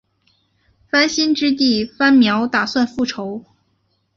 番歆之弟番苗打算复仇。